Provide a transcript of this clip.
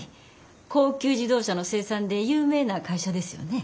高級自動車の生産で有名な会社ですよね。